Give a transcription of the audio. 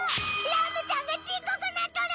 ラムちゃんがちっこくなっとる！